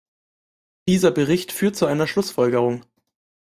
Dieser Bericht führt zu einer Schlussfolgerung.